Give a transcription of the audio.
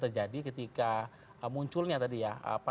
terjadi ketika munculnya tadi ya